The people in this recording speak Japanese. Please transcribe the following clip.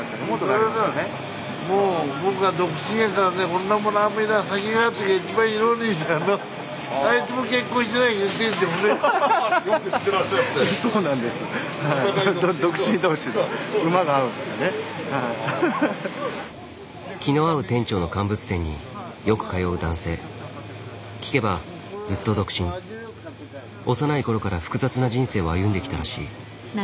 幼い頃から複雑な人生を歩んできたらしい。